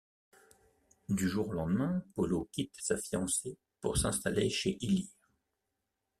Du jour au lendemain, Paulo quitte sa fiancée pour s’installer chez Ilir.